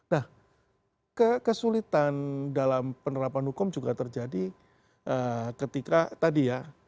nah kesulitan dalam penerapan hukum juga terjadi ketika tadi ya